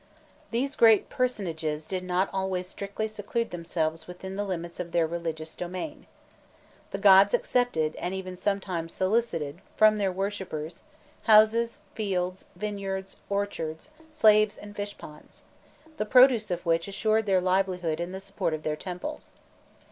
These great personages did not always strictly seclude themselves within the limits of the religious domain. The gods accepted, and even sometimes solicited, from their worshippers, houses, fields, vineyards, orchards, slaves, and fishponds, the produce of which assured their livelihood and the support of their temples.